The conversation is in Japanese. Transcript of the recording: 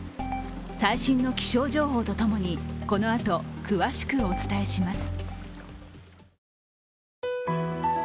最新の気象情報とともにこのあと詳しくお伝えします。